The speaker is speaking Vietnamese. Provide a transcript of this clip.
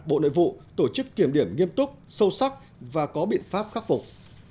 bộ nội vụ tổ chức kiểm điểm nghiêm túc sâu sắc và có biện pháp khắc phục